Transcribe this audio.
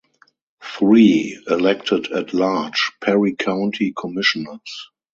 Three, elected at large, Perry County Commissioners.